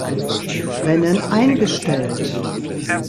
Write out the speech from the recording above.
Rennen eingestellt.